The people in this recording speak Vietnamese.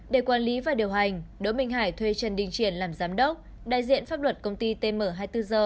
để quản lý và điều hành đỗ minh hải thuê trần đình triển làm giám đốc đại diện pháp luật công ty tm hai mươi bốn h